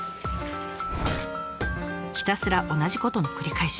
ひたすら同じことの繰り返し。